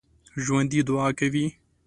ژوندي دعا کوي